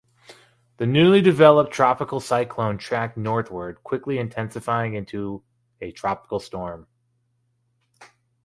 The newly developed tropical cyclone tracked northward, quickly intensifying into a tropical storm.